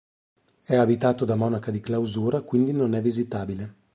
È abitato da monache di clausura, quindi non è visitabile.